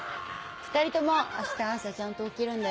２人とも明日朝ちゃんと起きるんだよ。